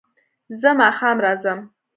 زه ماښام راځم